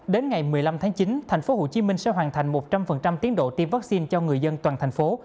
đến ngày một mươi năm tháng chín thành phố hồ chí minh sẽ hoàn thành một trăm linh tiến độ tiêm vaccine cho người dân toàn thành phố